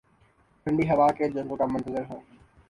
ٹھنڈی ہوا کے جھونکوں کا منتظر ہے